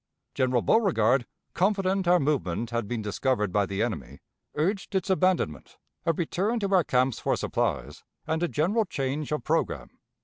General Beauregard, confident our movement had been discovered by the enemy, urged its abandonment, a return to our camps for supplies, and a general change of programme.